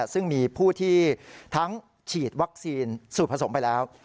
ซึ่งมีผู้ที่ทั้งฉีดวัคซีนสูตรผสมไปแล้ว